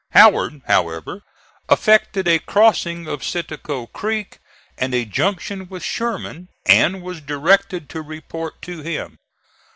Howard, however, effected a crossing of Citico Creek and a junction with Sherman, and was directed to report to him.